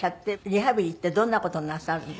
リハビリってどんな事をなさるんですか？